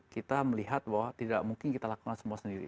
kita melihat bahwa tidak mungkin kita lakukan semua sendiri